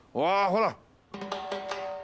ほら！